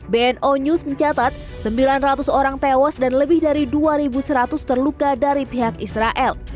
bno news mencatat sembilan ratus orang tewas dan lebih dari dua seratus terluka dari pihak israel